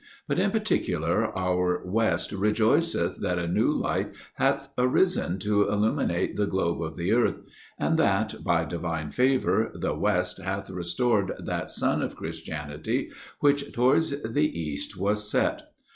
But in particular our west rejoiceth that a new light hath arisen to illuminate the globe of the earth; and that, by divine favour, the west hath restored that sun of Christianity which towards the east was set.